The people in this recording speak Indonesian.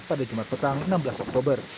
pada jumat petang enam belas oktober